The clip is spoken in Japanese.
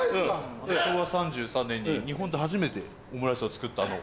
昭和３３年に日本で初めてオムライスを作った。